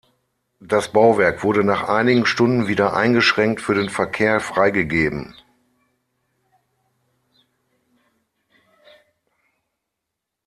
Das Bauwerk wurde nach einigen Stunden wieder eingeschränkt für den Verkehr freigegeben.